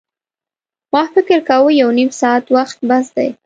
ما فکر کاوه یو نیم ساعت وخت بس دی.